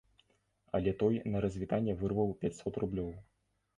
Але той на развітанне вырваў пяцьсот рублёў.